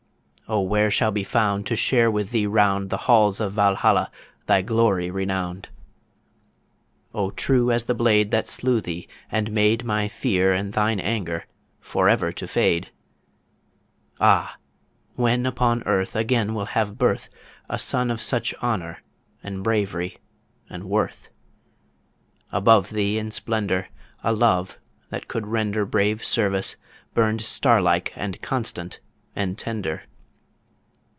O where shall be found To share with thee round The halls of Valhalla Thy glory renowned? O true as the blade That slew thee, and made My fear and thine anger For ever to fade Ah! when upon earth Again will have birth A son of such honour And bravery and worth? Above thee in splendour A love that could render Brave service, burned star like And constant and tender.